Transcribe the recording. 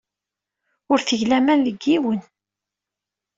Ur tteg laman deg yiwen.